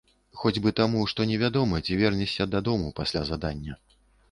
Хоць бы таму, што невядома, ці вернешся дадому пасля задання.